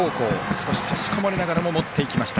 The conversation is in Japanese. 少し差し込まれながらも持っていきました